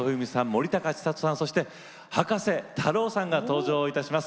森高千里さんそして葉加瀬太郎さんが登場いたします。